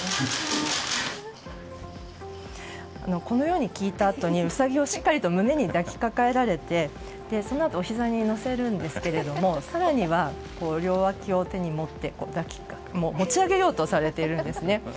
このように聞いたあとにウサギをしっかり胸に抱きかかえられてそのあとおひざに乗せるんですが更には手に持って持ち上げようとされているんです。